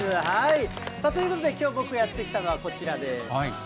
さあ、ということで、きょう僕がやって来たのはこちらです。